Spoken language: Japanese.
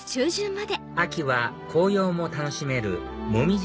秋は紅葉も楽しめるモミジ